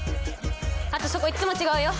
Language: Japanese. あとそこいっつも違うよ